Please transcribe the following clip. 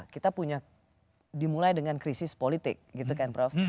kita punya dimulai dengan krisis politik gitu kan prof